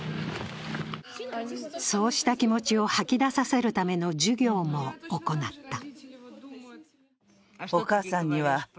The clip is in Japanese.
そうした気持ちを吐き出させるための授業も行った。